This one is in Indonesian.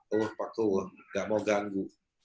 tuh tuh nggak mau ganggu